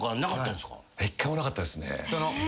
一回もなかったですね。